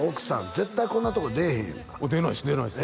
絶対こんなとこ出えへんやんか出ないです